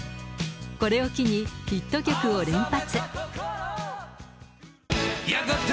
これを機に、ヒット曲を連発。